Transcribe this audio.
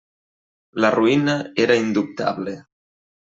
La ruïna era indubtable.